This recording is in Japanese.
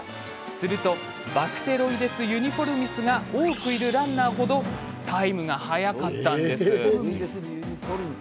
するとバクテロイデス・ユニフォルミスが多くいるランナー程タイムが速かったんです。